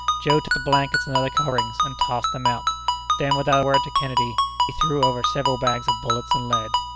Joe took the blankets and other coverings and tossed them out; then, without a word to Kennedy, he threw over several bags of bullets and lead.